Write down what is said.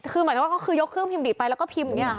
คือหมายถึงก็คือยกเครื่องพิมพ์ดีตไปแล้วก็ส่งอ่ะ